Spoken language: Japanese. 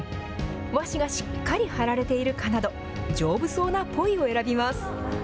和紙がしっかり貼られているかなど、丈夫そうなポイを選びます。